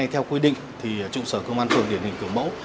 theo quy định thì trụ sở công an phường điển hình kiểu mẫu